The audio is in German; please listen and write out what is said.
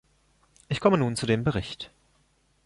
Ich komme nun zu dem Bericht.